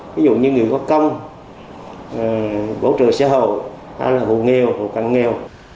ví dụ như người có công bổ trợ xã hội hay là hộ nghèo hộ cảnh nghèo